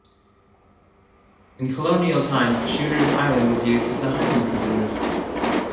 In colonial times Shooters Island was used as a hunting preserve.